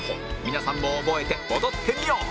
皆さんも覚えて踊ってみよう！